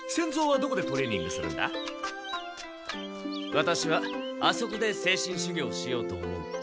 ワタシはあそこで精神修行をしようと思う。